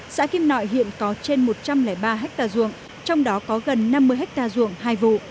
xã kim nội hiện có trên một trăm linh ba ha ruộng trong đó có gần năm mươi hectare ruộng hai vụ